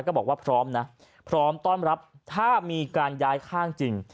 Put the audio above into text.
บอกว่าพร้อมนะพร้อมต้อนรับถ้ามีการย้ายข้างจริง